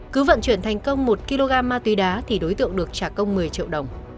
cứ vận chuyển thành công một kg ma túy đá thì đối tượng được trả công một mươi triệu đồng